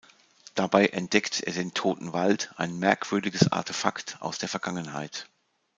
Dabei entdeckt er den „toten Wald“, ein merkwürdiges Artefakt aus der Vergangenheit.